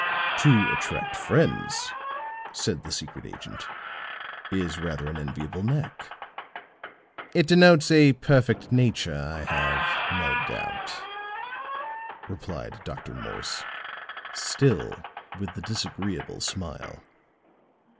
"To attract friends," said the secret agent, "is rather an enviable knack." "It denotes a perfect nature, I have no doubt," replied Dr. Morse, still with the disagreeable smile.